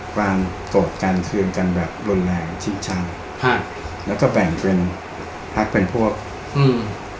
การโกรธการเคลื่อนการแบบร้อนแรงชิ้นชันครับแล้วก็แบ่งเป็นภักด์เป็นพวกอืม